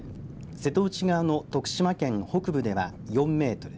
瀬戸内側の徳島県北部では４メートル